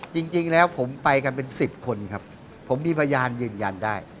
จริงแล้วผมไปกันเป็น๑๐คนครับผมมีพยานยืนยันได้